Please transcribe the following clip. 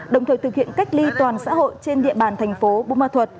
đồng thời thực hiện cách ly toàn xã hội trên địa bàn thành phố bù ma thuật